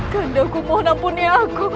kanda ku mohon ampuni aku